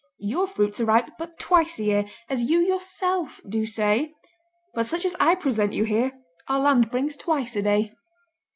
Your fruits are ripe but twice a year, As you yourself do say, But such as I present you here Our land brings twice a day."